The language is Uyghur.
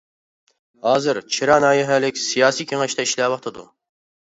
ھازىر چىرا ناھىيەلىك سىياسىي كېڭەشتە ئىشلەۋاتىدۇ.